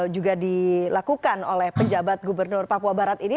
juga dilakukan oleh penjabat gubernur papua barat ini